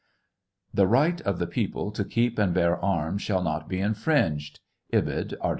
" The right of the people to keep and bear arms shall not be infringed," (Ibid Art.